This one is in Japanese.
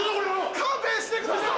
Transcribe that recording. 勘弁してください！